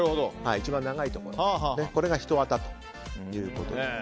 一番長いところがひとあたということです。